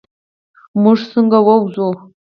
مونږ څنګه ووځو؟